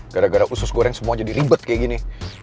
gara gara usus goreng semua jadi ribet kayak gini